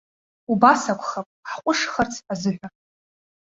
Убас акәхап, ҳҟәышхарц азыҳәа.